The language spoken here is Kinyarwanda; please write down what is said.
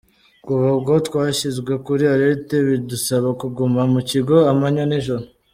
Kuva ubwo twashyizwe kuri alerte, bidusaba kuguma mu kigo amanywa n’ijoro.